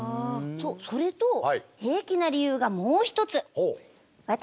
それと平気な理由がもう一つ。